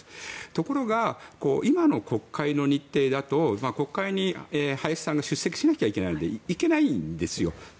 ところが今の国会の日程だと国会に林さんが出席しなきゃいけないので行けないんですよ。